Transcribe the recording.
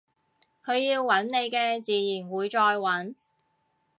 佢要搵你嘅自然會再搵